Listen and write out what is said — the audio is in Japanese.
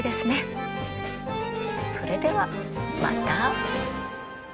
それではまた。